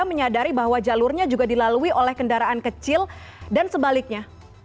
menyadari bahwa jalurnya juga dilalui oleh kendaraan kecil dan sebaliknya